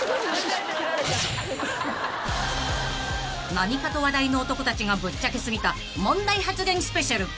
［何かと話題の男たちがぶっちゃけ過ぎた問題発言スペシャル］